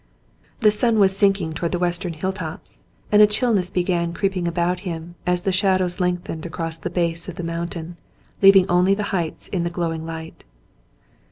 The sun was sinking toward the western hilltops, and a chillness began creeping about him as the shadows lengthened across the base of the mountain, leaving only the heights in the glowing light.